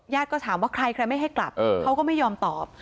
ก็ถามว่าใครใครไม่ให้กลับเขาก็ไม่ยอมตอบ